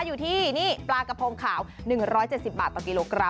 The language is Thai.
อยู่ที่นี่ปลากระพงขาว๑๗๐บาทต่อกิโลกรัม